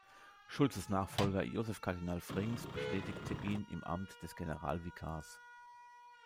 Schultes Nachfolger Joseph Kardinal Frings bestätigte ihn im Amt des Generalvikars.